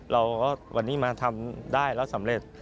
ว่าวันนี้มาทำได้แล้วสำเร็จ